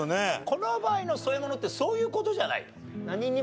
この場合の添え物ってそういう事じゃないの。